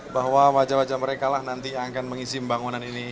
bahwa wajah wajah mereka lah nanti yang akan mengisi pembangunan ini